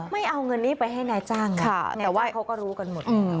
ไม่เอาเงินนี้ไปให้นายจ้างแต่ว่าเขาก็รู้กันหมด